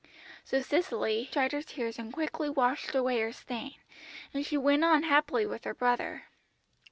"So Cicely dried her tears and quickly washed away her stain, and she went on happily with her brother.